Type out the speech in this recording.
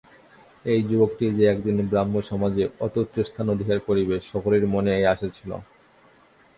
এই যুবকটিই যে একদিন ব্রাহ্মসমাজে অত্যুচ্চ স্থান অধিকার করিবে সকলেরই মনে এই আশা ছিল।